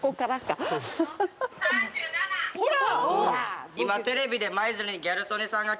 ほら！